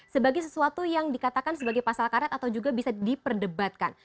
sebagai sesuatu yang dikatakan sebagai pasal karet atau juga bisa diperdebatkan